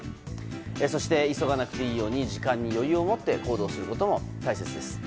そして、急がなくていいように時間に余裕を持って行動することも大切です。